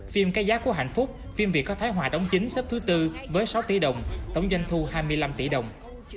phim cái giá của hạnh phúc phim việt có thái hòa đóng chính xếp thứ tư với sáu tỷ đồng tổng doanh thu hai mươi năm tỷ đồng